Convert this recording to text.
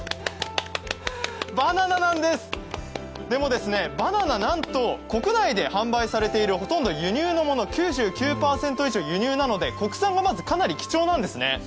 バナナなんです、でもバナナなんと国内で販売されているものはほとんど９９％輸入なので、国産がかなり貴重なんですね。